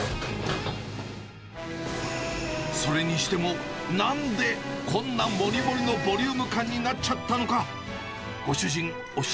それにしても、なんでこんな盛り盛りのボリューム感になっちゃったのか。